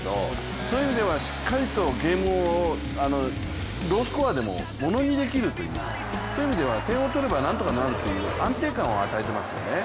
そういう意味ではしっかりとゲームをロースコアでもものにできるという、そういう意味では点を取れば何とかなるという安定感を与えていますよね。